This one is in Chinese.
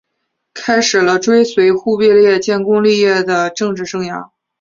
开始了追随忽必烈建功立业的政治生涯。